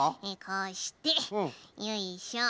こうしてよいしょ。